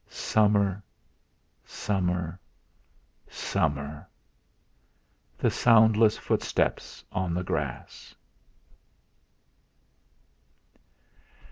Summer summer summer! The soundless footsteps on the grass!